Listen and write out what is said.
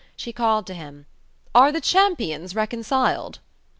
She called to him: "Are the champions reconciled?"